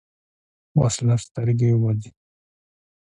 وسله سترګې وځي